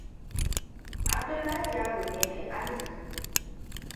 Abdullahi yaro ne mai arziƙi.